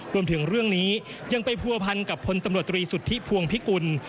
รวมถึงเรื่องนี้ยังไปผัวพันกับพลตำรวจตรีสุทธิพวงพิกุล